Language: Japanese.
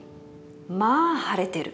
まあ晴れてる」